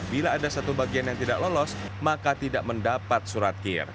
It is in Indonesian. bila ada satu bagian yang tidak lolos maka tidak mendapat surat kir